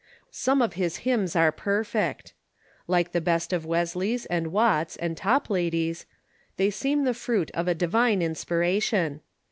Some of his hymns are perfect Like the best of Wesley's and Watts's and Toj^lady's, they seem the fruit of a divine inspiration.